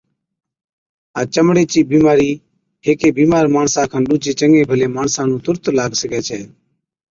ها چمڙي چِي بِيمارِي هيڪي بِيمار ماڻسا کن ڏُوجي چڱي ڀلي ماڻسا نُون تُرت لاگ سِگھَي ڇَي